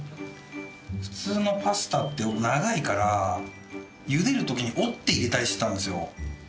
普通のパスタって長いから茹でる時に折って入れたりしてたんですよ。